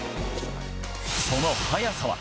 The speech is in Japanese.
その速さは。